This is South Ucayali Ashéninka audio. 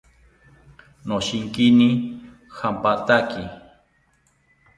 Noshinkini jampataki